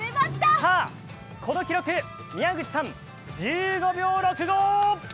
さあ、この記録、宮口さん、１５秒６５。